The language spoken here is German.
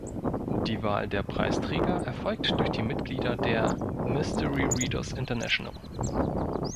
Die Wahl der Preisträger erfolgt durch die Mitglieder der "Mystery Readers International".